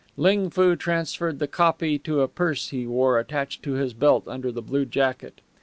Ling Foo transferred the copy to a purse he wore attached to his belt under the blue jacket.